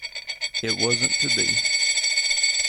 It wasn't to be.